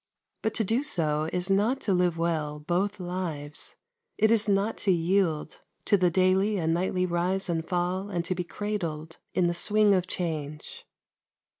But to do so is not to live well both lives; it is not to yield to the daily and nightly rise and fall and to be cradled in the swing of change.